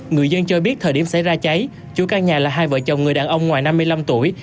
người dân cho biết thời điểm xảy ra cháy chủ căn nhà là hai vợ chồng người đàn ông ngoài năm mươi năm tuổi